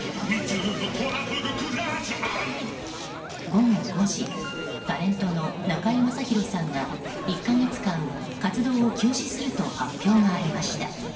午後５時タレントの中居正広さんが１か月間、活動を休止すると発表がありました。